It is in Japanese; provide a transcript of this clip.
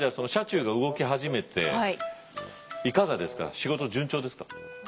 仕事順調ですか？